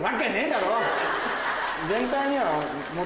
全体には。